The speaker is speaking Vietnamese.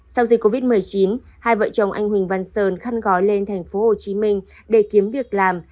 sau dịch covid một mươi chín hai vợ chồng anh huỳnh văn sơn khăn gói lên thành phố hồ chí minh để kiếm việc làm